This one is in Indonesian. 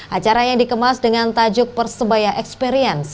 acara yang dikemas dengan tajuk persebaya experience